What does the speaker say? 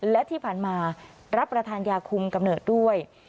และที่ผ่านมารับประทานยาคุมกำเนิดด้วย